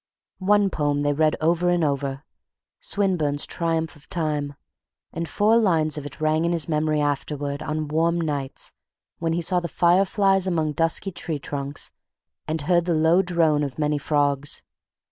One poem they read over and over; Swinburne's "Triumph of Time," and four lines of it rang in his memory afterward on warm nights when he saw the fireflies among dusky tree trunks and heard the low drone of many frogs.